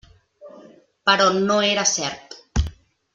Però no era cert.